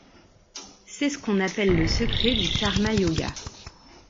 C'est ce qu'on appelle le secret du Karma-Yoga.